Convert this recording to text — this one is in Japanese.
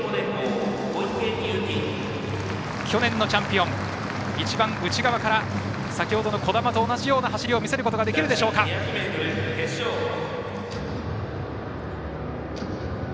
去年のチャンピオン一番内側から、先ほどの兒玉のような走り方を見せることができるでしょうか小池祐貴。